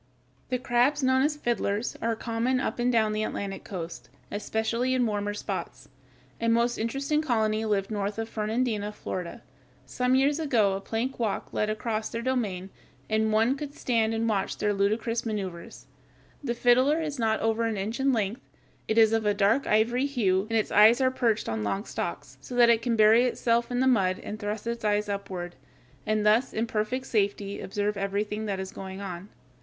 The crabs known as fiddlers (Fig. 149) are common up and down the Atlantic coast, especially in the warmer portions. A most interesting colony lived north of Fernandina, Florida. Some years ago a plank walk led across their domain, and one could stand and watch their ludicrous maneuvers. The fiddler is not over an inch in length. It is of a dark ivory hue, and its eyes are perched on long stalks, so that it can bury itself in the mud and thrust its eyes upward, and thus in perfect safety observe everything that is going on.